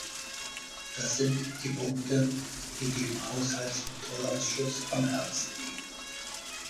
Das sind die Punkte, die dem Haushaltskontrollausschuss am Herzen liegen.